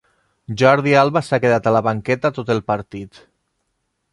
Jordi Alba s'ha quedat a la banqueta tot el partit.